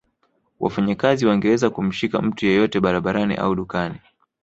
Wafanyakazi wangeweza kumshika mtu yeyote barabarani au dukani